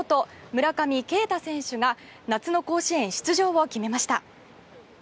村上慶太選手が夏の甲子園出場を決めました。